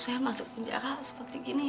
saya masuk penjara seperti gini